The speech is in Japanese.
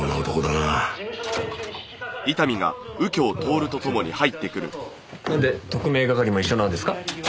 なんで特命係も一緒なんですか？